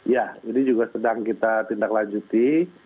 ya ini juga sedang kita tindaklanjuti